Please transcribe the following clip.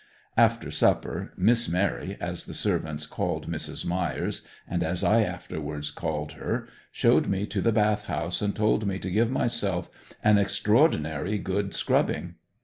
After supper "Miss Mary," as the servants called Mrs. Myers and as I afterwards called her showed me to the bath house and told me to give myself an extraordinary good scrubbing.